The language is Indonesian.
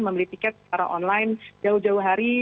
membeli tiket secara online jauh jauh hari